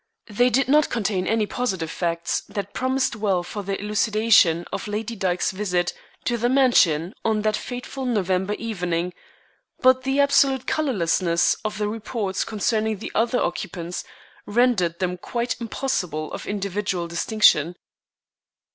They did not contain any positive facts that promised well for the elucidation of Lady Dyke's visit to the mansions on that fateful November evening, but the absolute colorlessness of the reports concerning the other occupants rendered them quite impossible of individual distinction.